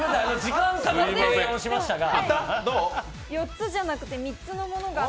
４つじゃなくて、３つのものが。